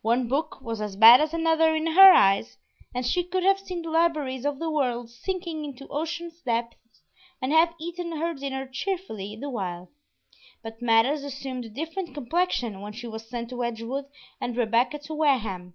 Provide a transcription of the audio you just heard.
One book was as bad as another in her eyes, and she could have seen the libraries of the world sinking into ocean depths and have eaten her dinner cheerfully the while; but matters assumed a different complexion when she was sent to Edgewood and Rebecca to Wareham.